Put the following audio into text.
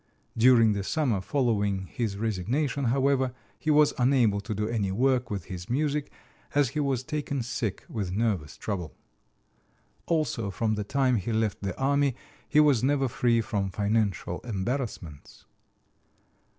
During the summer following his resignation, however, he was unable to do any work with his music, as he was taken sick with nervous trouble. Also from the time he left the army he was never free from financial embarrassments.